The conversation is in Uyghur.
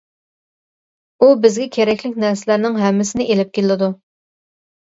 ئۇ بىزگە كېرەكلىك نەرسىلەرنىڭ ھەممىسىنى ئېلىپ كېلىدۇ.